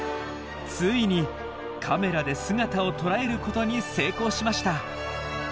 ついにカメラで姿をとらえることに成功しました。